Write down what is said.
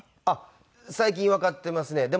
あっ最近わかってますね。